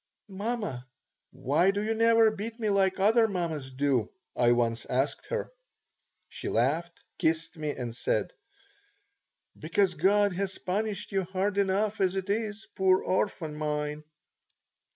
"Mamma, why do you never beat me like other mammas do?" I once asked her. She laughed, kissed me, and said, "Because God has punished you hard enough as it is, poor orphan mine."